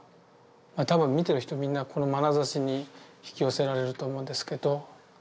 多分見てる人みんなこのまなざしに引き寄せられると思うんですけど。